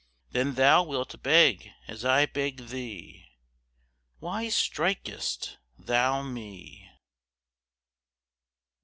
Then thou wilt beg as I beg thee: Why strik'st thou me?